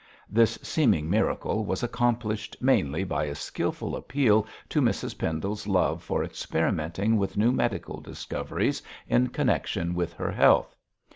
This seeming miracle was accomplished mainly by a skilful appeal to Mrs Pendle's love for experimenting with new medical discoveries in connection with her health.